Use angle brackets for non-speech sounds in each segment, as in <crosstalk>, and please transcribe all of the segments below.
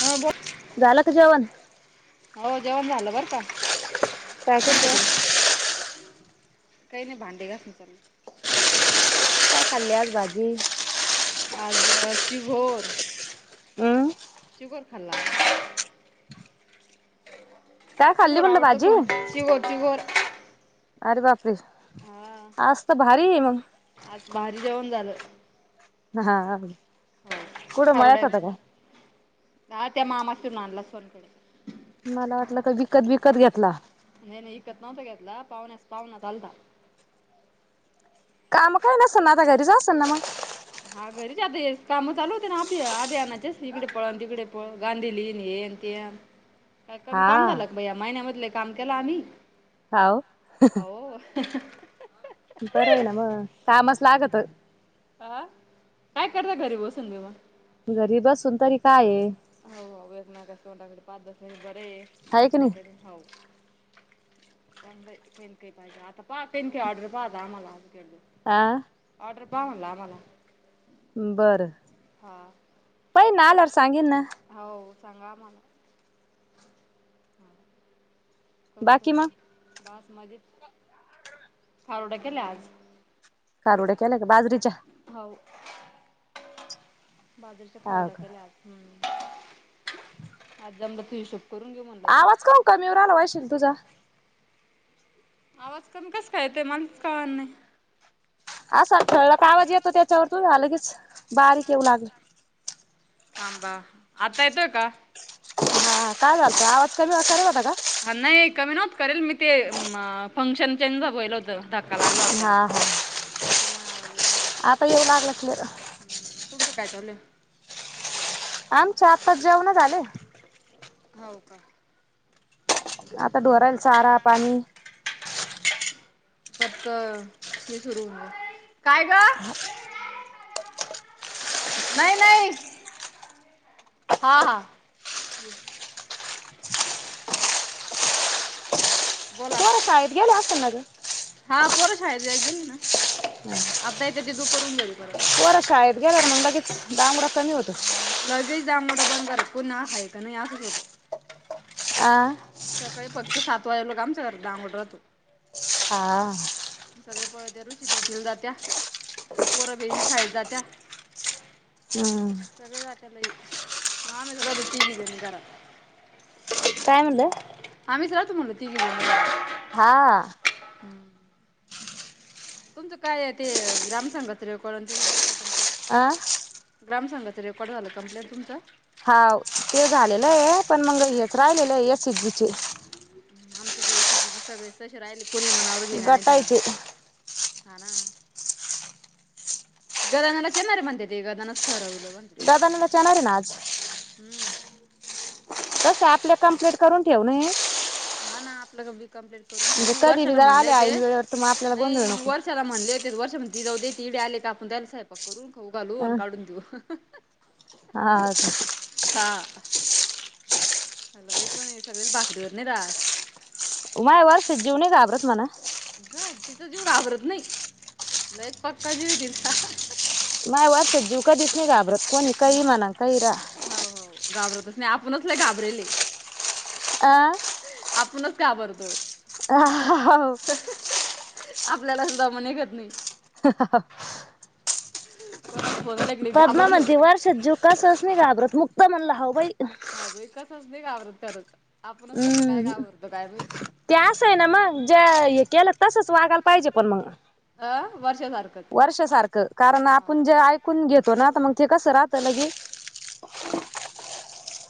हां बोलं. झालं कां जेवणं? हो जेवणं झालं बरं कां. काय करते तुमचं? तुम्ही? कांहीं नाहीं भांडे घासत आहे. खाली आंज भाजी आंज चिघोहर. अं हं. चिघोहर खांल्ला? काय खाल्ली चिघोहर म्हणलं आवडतं भाजी? कोणं? चिघोहर चिघोहर. अरे बापरे! आंज तरं भारी आहे मगं. आंज भारी जेवणं झालं. हां हां खारोड्यांत हां त्यां मामाच्यां घरूंन आणल्यांस सोणखेडयांत मलां वाटलं कां विकतं बिकतं घेतलां. नाहीं नाहीं विकतं नव्हतं घेतलां पाहण्यांस पाहु चालतां. कामं कांहीं नसलं नां आंता घरीचं असेल नां मगं. हां घरीचं आंता चालं होते नां अभियांनाचे ईकडे पळनं तिकडे पळनं गांधी लिन हे आणि तेल. <unintelligible> कायं कमी कामं झालं की भै यां महिन्यांमध्ये लयं कामं केलं आम्हीं. हाव हांव ओ. बरं आहे नां मगं कामाचं लागतं. हं कायं करतां घरी बसूंन बी मगं. घरी बसूंन तरी कायं आहे. हो हो एक एकमेकांच्या तोंडाकडे पहांत बसलेला ते बरं आहे हाय की नाही? माणसांकडे हो. प पनं कांहीं पाहिजे आंता पाहां पनं कांहीं ऑर्डर पाहतां आम्हांला आंज केलं. आं. ऑर्डर पाहां म्हटलं आम्हांला. बरं हा पाहिलं नां आल्यांवरं सांगितलं नां. हो सांगा आम्हांला. हां करूं बाकी कांहीं मग? तरी बांस मजेतं. खारोड्यां केल्यां आंज. खारोड्यां केल्यां कां बाजरीच्यां? होऊं. बाजूंच्या हाव खारोडयां का केल्यां आंज जमलां तूं हिशोब करूंन घेऊ म्हणलं तू आवांज कां कमी येऊं राहिला वैशाली तुझां? आवांज कमी कसं कां येते तुझां मालां चं कळतं नाहीं. असां ठळक आवांज येतो त्यांच्यावरं तुझां वालां बारीक येऊं लागले. थांबा आंता येतोय कां? हा काय झालतं आवाज कमी केला होता का? हा नाही, कमी नव्हत करेल मी ते फंक्शन चेंज होईल होत. धक्का लागला होता हा त्याला, हा त्याच्यामुळे आवाज येत नव्हता आता येऊ नीट. लागला क्लिअर हम्म.. तुमचं काय चालू ये? आमची आत्ताच जेवनं झाले. <inaudible> हो का? आता ढोराण चारा-पाणी फक्त हे सुरू होईल, काय गं? नाही नाही.. हा हा.. बोला. पोरं शाळेत गेला असेल ना ग. हा पोर शाळेत जा गेले ना. <inaudible> येतात दुपारून घरून परत पोरं शाळेत गेल्यावर लगेच दांगडो कमी होतं. लगेज दामलाड बंद झाल पुन्हा हाय का नाय असं होत. आ.. सकाळी फक्त सात वाजेलोग आमच <inaudible> हा. सगळे पळत्या ऋषी दिवटिला जात्या. पोरबेजी शाळेत जात्या. हम्म. <unintelligible> काय म्हणलं? आम्हीच राहतो म्हणलो तीघी जन हा. तुमचं काय आहे ते, ग्राम संघाच रेकॉर्ड तेन झालं काय कम्प्लीट? आ ग्राम संघाचा रेकॉर्ड झालं का कम्प्लीट तुमच हा ते झालेलं आहे पण मग हेच राहिलेलं आहे या सिद्धीचे आमचे ते <unintelligible> सगळे तसेच राहिले कोणी मनावर घेईना नाही त्याला गटायचे. हा ना <unintelligible> ठरवलं म्हणते त्यान दादा आणि फिक्स मी जाणार आहे ना आज हम्म ते आपले कम्प्लेट करून ठेव नय हा ना आपलं बी कम्पलेट करून ठेव म्हणजे मी कधी बी वर्षाला जर आले म्हणलेय ते आईन वेळेवर तर मग आपल्याला नाही गोंधळ मी नको. वर्ष त्याला म्हणले होते, वर्षा म्हणते जाऊ दे तिकडे आले का आपण द्यायचं साहेबा करून खाऊ घालू अ आणि काढून देऊ हा ह हा. <unintelligible> सगळेच भाकरीवर नाही रा माय वर्षा जीव नाही घाबरत म्हणा हा तिचा जीव घाबरत नाही, लयच पक्का जीव आहे तिचा नाही वर्षाचे जीव कधीच नाही घाबरत कोणी काही म्हणा काहीरा हो हो घाबरतच नाही आपणच लई घाबरेलहे. अ.. आपणच घाबरतो. हा हा... आपल्यालाच दम निघत नाही. हा हा कोणाचा फोन आला की पद्मा घाबरलो म्हनती वर. च्या जीव कसं अस नाही घाबरत मुक्त म्हणला हाव बाई हो बाई कसंच नाही घाबरत तरच आपणच कसं काय हम्म घाबरतो काय माहिती ते असं आहे ना मग ज्या हे केलं तसच वागायला पाहिजे पण मग अ वर्षासारखंच वर्षा सारखं कारण हो आपण जेऐकतो. कून घेतो ना तर मग ते कसं राहत लगे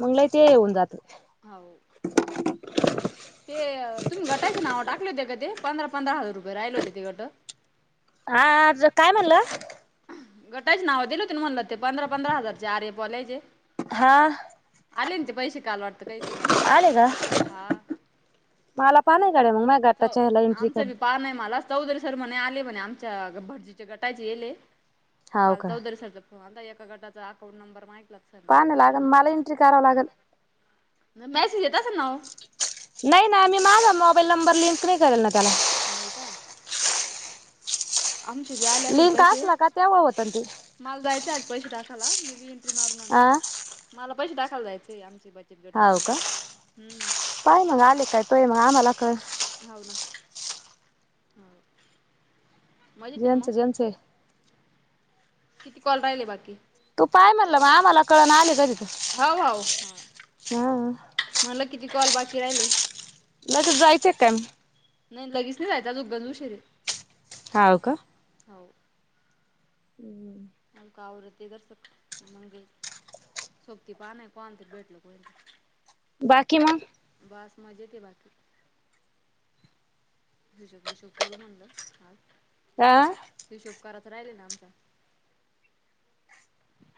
मग ते लई ते येऊन जात हो... <inaudible> ते तुम्ही गटाचे नाव टाकले होते का ते पंधरा पंधरा हजार रुपये राहिले होते ते गटं हाहा तुज काय म्हणला? गटाचे नाव दिल होते म्हणलं ते पंधरा पंधरा हजार आरेएफ वाल्याचे. हा हम्म आले ना ते पैसे काल वाटत काही काय गटाला आले हा मला पा नाही गाड्या मग माझ्या हॅलो गटाच्या ह्याला एंट्री आमच कर. भी पार नाही मलाच चौधरी सर म्हणे आले म्हणे आमच्या भटजीच्या गटाचे येले हाव काल का? चौधरी सर हो आता एका गटाचा अकाउंट नंबर माघितला. पान लागन मलां यांची कराव लागल मेसेज येत असेल ना हो नाही ना मी माझा मोबाईल नंबर लिंक नाही करेल ना त्याला नाही का? आमचे बी आले असल लिंक पैसे असला का तेव्हा होत ना ते. मला जायचं आज पैसे टाकायला मी एंट्री मारून आणते आ मला पैसे टाकायला जायचे आमचे पण होव का पाय मग आले काय तोय मग आम्हाला कळल. होव ना, मजेत ये ना ज्यानं मग च ज्यांच. कितीकॉल राहिले बाकी. तू पाय म्हणल ला मग आम्हाला कळन आले का धीथ हा भाऊ हा हा. म्हणलं किती कॉल बाकी राहिले. लगेच जायचं का, म, नाही लगेच नाही जायच आजून गज उशीर हे. हाव का? हम्म.. <unintelligible> सोपती पहा कोण तर भेटल पाहिजे. बाकी मग? बस मजेत हे बाकी. हिशोब बिशप करू म्हणलं आज. आ... हिशोब कारायचा राहिला ना आमचा.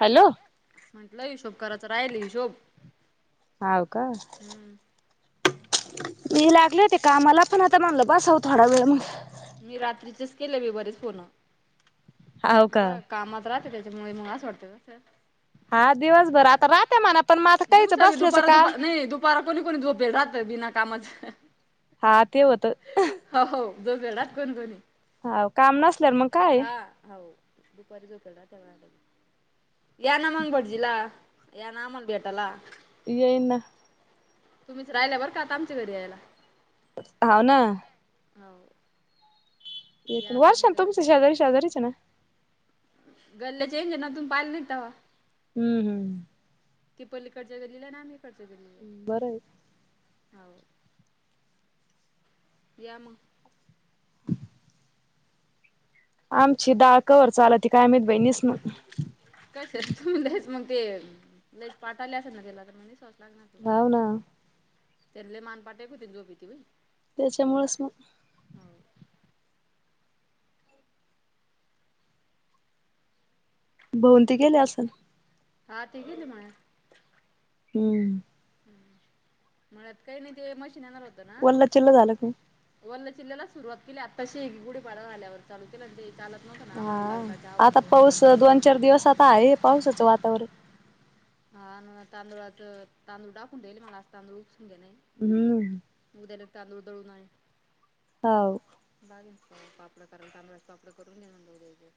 हॅलो! म्हंटलं हिशोब करायचचा राहेलये हिशोब. हाव का? हम्म. मी लागले होते कामाला, पण आता म्हणलं बसाव थोडा वेळ मग मी रात्रीचेच केले बई बरेच फोनं. हाव का? कामात राहते त्याच्यामुळे मं असं वाटतं कसं हा दिवसभर आता राहतं म्हणा, पण म आता कहीच बसल्याचं काम पारा कोणी कोणी झोपेल राह तं बिना कामाचं. हा ते होतं. ह हो झोपेल राहतं कोणी कोणी. हाव काम नसल्यावर मग काये? हावो. दुपारी झोपेल राहत्या बाया लगेच. या ना मंग भटजीला, या ना आम्हाला भेटायला. येईन ना. तुम्हीच राहिल्या बरं का आता, आमच्या घरी यायला. हाव ना. हो या येतील आता वर्षा अन आमच्या तुमचं घरी शेजारी शेजारीच ये ना? गल्ल्या चेंज ये ना, तुमी पाहिलं नही का तवा? हम्म हम्. ती पलीकडच्या गल्लीला अन आम्ही इकडच्या गल्लीला. बरंये. हावो या मग. आमची दाळ कवर चालती काय माहित बई निसणं. कसं तु लयच मग ते लयच पाठ आली असल ना त्याला तर मं निसावंच लागतं. लागणार हाव ना तुम्हाला, मान पाट एक होती अन झोप येती बई. त्याच्यामुळेच मग भाऊ अन ते गेले असल. हा ते गेले मळ्यात. हम्म. मळ्यात काही नही. ते मशीन येणार होत ना. वल्लं चिल्लं झालं की मग वल्ल्या चिल्ल्यालाच सुरुवात केलीये आताशी. गुढी पाडवा झाल्यावर चालू केलंय ना ते. चालत नव्हतं ना आम्हाला लग्नाच्या अगोदर. तं दोन चार दिवस आता आहे पावसाचं वातावरण. हा ना तांदुळाचं, तांदूळ टाकून देयेले. मला आज तांदूळ उपसून घेणंये. हम्म. उदयाला तांदूळ दळून आणेल. हाव. लगीन तर पापड कराल तांदुळाचे पापड करून घेणार <unintelligible> -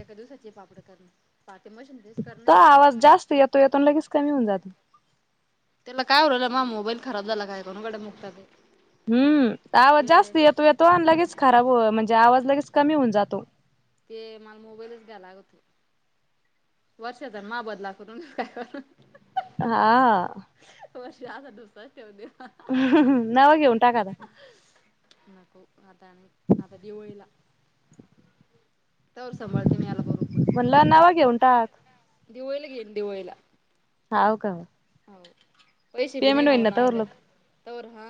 एका दिवसाचेये पापडं करनं. पाहते मशीन चेच करणये. मशीन आवाज जास्त तो येतो अन लगेच कमी होऊन जातो. त्याला काय होऊ राहायलं, माहा मोबाईल खराब झाला काय <unintelligible> हम्म आवाज ते जास्त येतो येतो आणि लगेच खराब म्हणजे आवाज लगेच कमी होऊन जातो. ते मला मोबाईलच द्याय लागते. वर्षाचा माबदला कुठून आ हा ह्या वर्षी आनतच नाय ठेऊन देला. नवा घेऊन टाका आता. नको आता आता दिवाळीला. तवर सांभाळते मी याला बरोबर म्हणल नवा घेऊन टाक. दिवाळीला घेईन दिवाळीला. हाव का. हाऊ, पैसे बी नाही पेमेंट ना होईन ओ नवा तवर लोक घ्यायला. तवर हा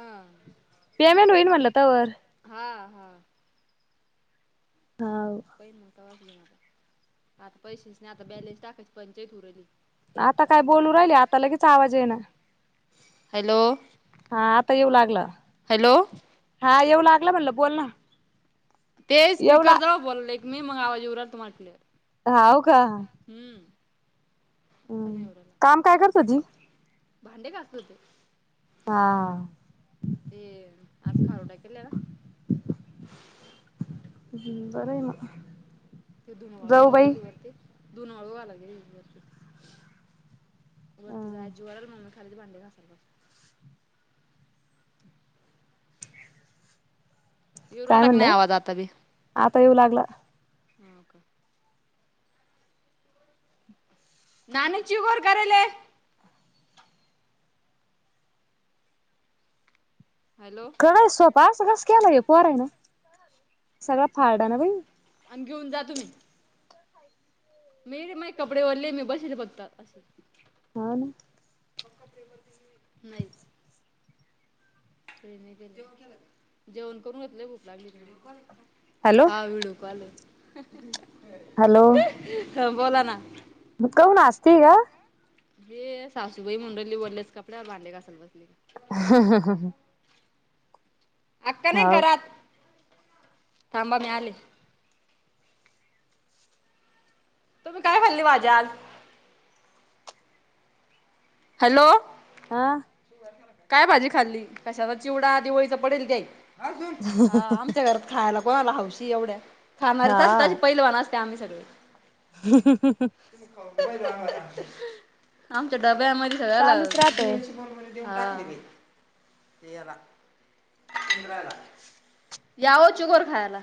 पेमेंट होईल म्हटलं तवर. हा हा हा पेमेंट कवा हुणार आता पैसेच नाही आता बॅलेन्स टाकायची पंचाईत होऊन राहिली. आता काय बोलू राहिले आता लगेच आवाज येई ना. हॅलो! हा आता येऊ लागला हॅलो हा येऊ लागलं म्हणल बोल ना. ते येऊ स्पीकर ला जवळ बोलले की मी मग आवाज येऊन राहतो म्हटल. हाऊ का हम्म तुम्ही हम्म. एवढं द्या काम करत काय होती कराल्यास. <inaudible> भांडी घासत होतो. हा हा ते आज खारुडा केल्या. हम्म बरय म. कपडे धुऊन वाळू घालू गेले वरती धुऊन वाळू घालू गेले वरती. वरती जायाची जीवावर आलं म्हणून मी खालीच भांडी घासत बसलोय. येऊन काय राहिला की नाही म्हणलं आवाज आता बी. आता येऊ लागला. हो का? नाणी चिघोर कराले. हॅलो! दरवेळेस सोपा असा कसा केला ह्यो पोरांनी सगळा फाडला ना बाई. आनं घेशऊन जा तुम्ही. मेर माय कपडे वले आहे मी बसेले फक्त अस आहे. हा ना. <unintelligible> नाही काय नाही बाई, जेवण केलं काय? जेवण करून लय हॅलो <unintelligible> हा व्हडिओ कॉल आहे हा हा हा. हॅलो! हॅलो बोला ना. मग का उन हस्ती गं मी, सासूबाई म्हन्डलि ओल्याचं कपड्यावर भांडी घासत बसली काय. हं हं हं हं. अक्का नाही हाव. घरात, थांबा मी आले. तुम्ही काय खाल्ली भाजी आज. हॅलो? हां. काय भाजी खाल्ली कशाचा चिवडा दिवाळीच पडेल ते अजून आमच्या घरात खायाला कोणाला हौशीयं एवढ्या खाणारेच हा अशती अशी पैलवान अस ते आम्ही सगळ <unintelligible> <unintelligible> आमच्या डब्ब्यामधी सगळं आलं चालूच राहत. <inaudible> हां. ते ह्याला <inaudible> इंद्राला <inaudible> या ओ चुगर खायाला?